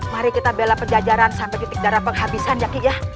mari kita bela pajajaran sampai titik darah penghabisan ya ki ya